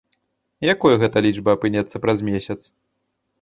Якой гэтая лічба апынецца праз месяц?